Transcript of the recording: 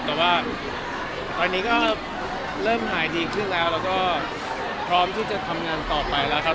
แต่ว่าตอนนี้ก็เริ่มหายดีขึ้นแล้วแล้วก็พร้อมที่จะทำงานต่อไปแล้วครับ